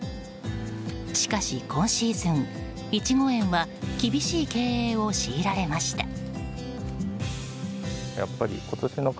しかし今シーズン、イチゴ園は厳しい経営を強いられました。